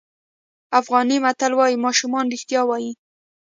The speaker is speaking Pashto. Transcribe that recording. افغاني متل وایي ماشوم رښتیا وایي.